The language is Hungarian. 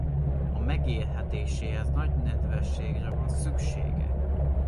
A megélhetéséhez nagy nedvességre van szüksége.